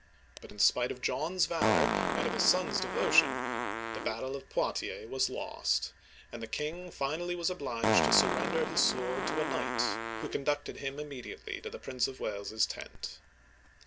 But, in spite of John's valor, and of his son's devotion, the battle of Poitiers was lost, and the king finally was obliged to surrender his sword to a knight, who conducted him im mediately to the Prince of Wales's tent.